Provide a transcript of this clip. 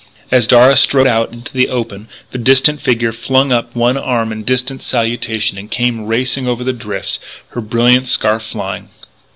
As Darragh strode out into the open the distant figure flung up one arm in salutation and came racing over the drifts, her brilliant scarf flying.